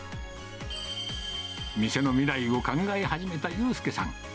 店の未来を考え始めた悠佑さん。